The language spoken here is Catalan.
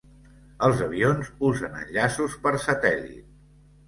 Els avions usen enllaços per satèl·lit.